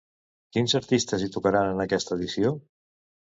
Quins artistes hi tocaran en aquesta edició?